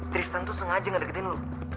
tristan tuh sengaja gak deketin lo